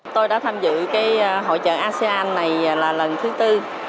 tôi đã tham dự hội trợ asean này là lần thứ tư